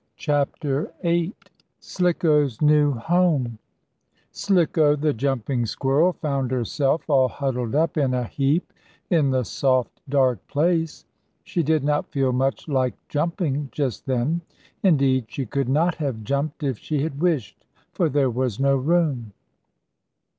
CHAPTER VIII SLICKO'S NEW HOME Slicko, the jumping squirrel, found herself all huddled up in a heap in the soft, dark place. She did not feel much like jumping just then indeed she could not have jumped if she had wished, for there was no room.